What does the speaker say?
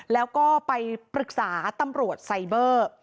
แล้วก็ไปปรึกษาตำรวจไซเบอร์